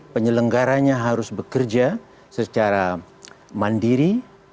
penyelenggaranya harus bekerja secara mandiri